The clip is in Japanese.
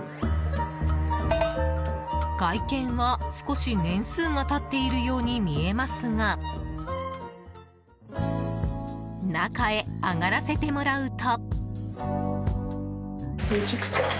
外見は少し年数が経っているように見えますが中へ上がらせてもらうと。